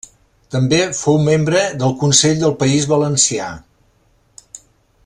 També fou membre del Consell del País Valencià.